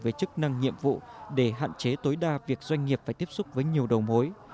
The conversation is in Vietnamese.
về chức năng nhiệm vụ để hạn chế tối đa việc doanh nghiệp phải tiếp xúc với nhiều đầu mối